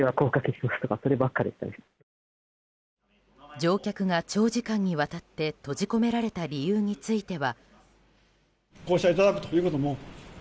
乗客が長時間にわたって閉じ込められた理由については。